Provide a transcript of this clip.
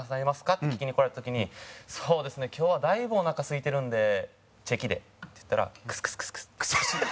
って聞きに来られた時にそうですね今日はだいぶおなかすいてるんでチェキでって言ったらクスクスクスクス。